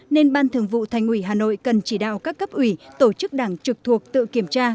nên ban thường vụ thành ủy hà nội cần chỉ đạo các cấp ủy tổ chức đảng trực thuộc tự kiểm tra